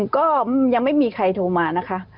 ก็ยังไม่มีใครโทรมานะคะ